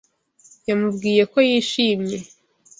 Yamubwiye ko yishimye.